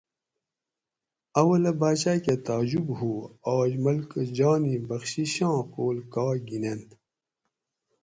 اولہ باچہ کہ تعجب ہُو آج ملکہ جانی بخشِشاں قول کا گِنینت